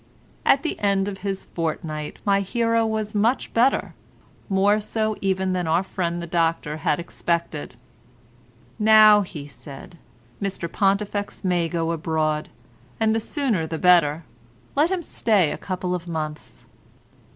At the end of his fortnight my hero was much better, more so even than our friend the doctor had expected. "Now," he said, "Mr Pontifex may go abroad, and the sooner the better. Let him stay a couple of months."